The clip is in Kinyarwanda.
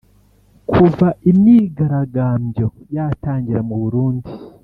Kuva imyigaragambyo yatangira mu Burundi